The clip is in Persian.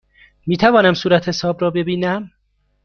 می توانم صورتحساب را ببینم؟